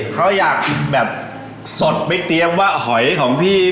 ใครบอกแบบสั่งมา๓กล่องเนี่ย